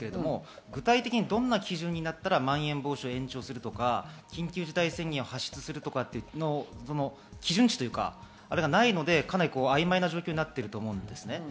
具体的にどんな基準になったら、まん延防止を延長するとか、緊急事態宣言を発出するとか、基準値というか、あれがないので、曖昧な状況になっていると思うんですね。